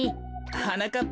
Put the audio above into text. はなかっ